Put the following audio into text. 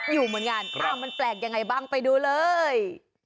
อยู่เหมือนกันมันแปลกยังไงบ้างไปดูเลย